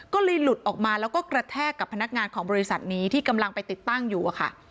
ก็เลยหลุดออกมาแล้วก็กระแทกกับพนักงานของบริษัทนี้ที่กำลังไปติดตั้งอยู่อะค่ะ